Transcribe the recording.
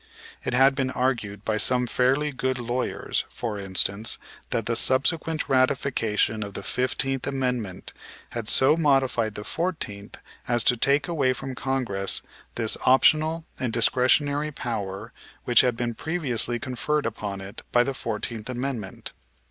It had been argued by some fairly good lawyers, for instance, that the subsequent ratification of the Fifteenth Amendment had so modified the Fourteenth as to take away from Congress this optional and discretionary power which had been previously conferred upon it by the Fourteenth Amendment.